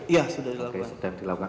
ya sudah dilakukan